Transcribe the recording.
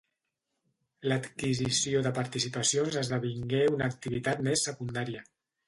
L'adquisició de participacions esdevingué una activitat més secundària.